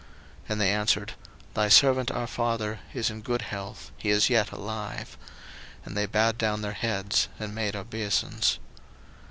01:043:028 And they answered, Thy servant our father is in good health, he is yet alive. And they bowed down their heads, and made obeisance.